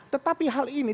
tetapi hal ini